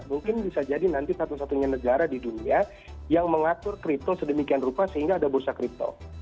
mungkin bisa jadi nanti satu satunya negara di dunia yang mengatur crypto sedemikian rupa sehingga ada bursa kripto